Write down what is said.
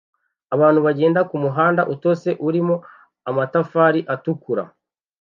Abantu bagenda kumuhanda utose urimo amatafari atukura